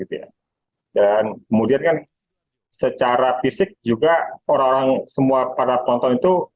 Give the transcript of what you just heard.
dan kemudian kan secara fisik juga orang orang semua para penonton itu